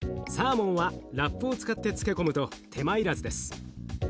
サーモンはラップを使って漬け込むと手間いらずです。